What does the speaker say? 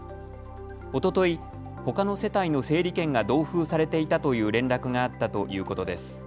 おととい、ほかの世帯の整理券が同封されていたという連絡があったということです。